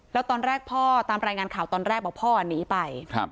แล้วตอนแรกพ่อตามรายงานข่าวตอนแรกบอกพ่อหนีไป